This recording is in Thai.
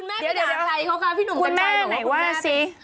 ดีจ้าเฮ้ะปีหลุมหรือเป็นใครหรือกว่าคุณแม่เป็นคุณแม่ไหนว่าสิ